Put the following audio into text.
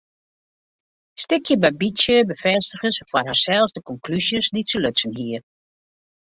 Stikje by bytsje befêstige se foar harsels de konklúzjes dy't se lutsen hie.